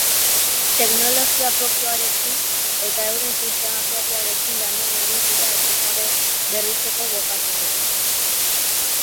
Teknologia propioarekin eta euren sistema propioarekin lanean ari dira etengabe berritzeko bokazioarekin.